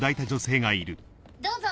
どうぞ。